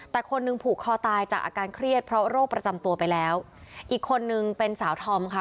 แต่คนหนึ่งผูกคอตายจากอาการเครียดเพราะโรคประจำตัวไปแล้วอีกคนนึงเป็นสาวธอมค่ะ